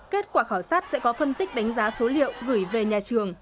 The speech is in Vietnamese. kết quả khảo sát sẽ có phân tích đánh giá số liệu gửi về nhà trường